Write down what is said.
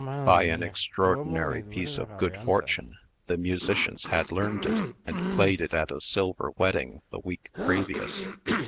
By an extraordinary piece of good fortune, the musicians had learned it, and played it at a silver wedding the week previous.